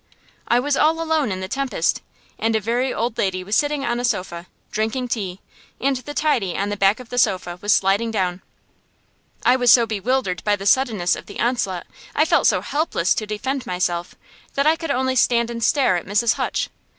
I was all alone in the tempest, and a very old lady was sitting on a sofa, drinking tea; and the tidy on the back of the sofa was sliding down. I was so bewildered by the suddenness of the onslaught, I felt so helpless to defend myself, that I could only stand and stare at Mrs. Hutch.